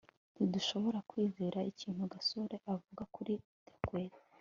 ntidushobora kwizera ikintu gasore avuga kuri gakwego